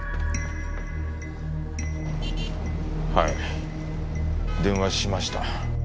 はい電話しました。